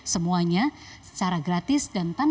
semuanya secara gratis dan tanda